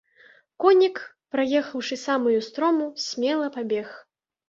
Конік, праехаўшы самую строму, смела пабег.